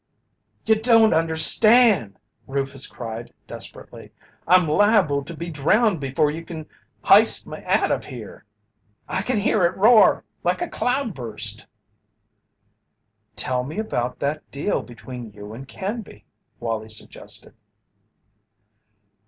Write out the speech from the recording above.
"You don't understand!" Rufus cried, desperately. "I'm liable to be drowned before you can h'ist me out of here. I can heard it roar like a cloudburst!" "Tell me about that deal between you and Canby," Wallie suggested.